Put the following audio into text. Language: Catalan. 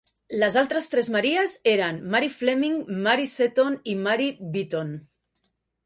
Les altres tres "Maries" eren Mary Fleming, Mary Seton i Mary Beaton.